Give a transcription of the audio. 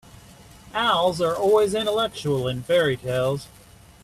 Owls are always intellectual in fairy-tales.